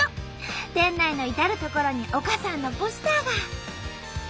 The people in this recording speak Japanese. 店内の至る所に丘さんのポスターが！